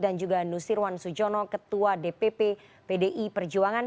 dan juga nusirwan sujono ketua dpp pdi perjuangan